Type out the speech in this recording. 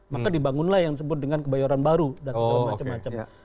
maka dibangunlah yang disebut dengan kebayoran baru dan segala macam macam